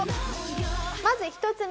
まず１つ目。